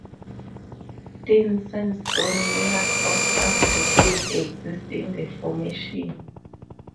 Thin sandstone layers of up to thick exist in the formation.